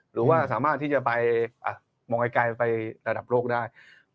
หรือว่าสามารถที่จะไปมองไกลไประดับโลกได้